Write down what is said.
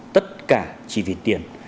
tất cả chỉ vì tiền